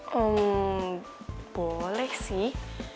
hmm boleh sih